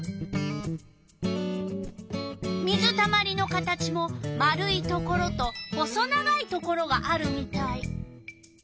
水たまりの形も丸いところと細長いところがあるみたい。